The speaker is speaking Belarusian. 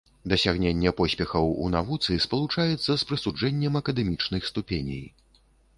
Дасягненне поспехаў у навуцы спалучаецца з прысуджэннем акадэмічных ступеней.